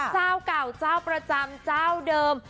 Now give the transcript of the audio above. เจ้าเก่าเจ้าประจำเจ้าเดิม